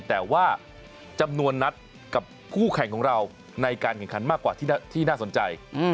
แต่ว่าจำนวนนัดกับคู่แข่งของเราในการแข่งขันมากกว่าที่น่าสนใจ